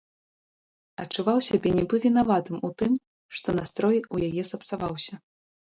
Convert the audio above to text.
Адчуваў сябе нібы вінаватым у тым, што настрой у яе сапсаваўся.